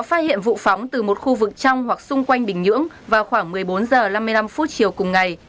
phóng từ một khu vực trong hoặc xung quanh bình nhưỡng vào khoảng một mươi bốn giờ năm mươi năm phút chiều cùng ngày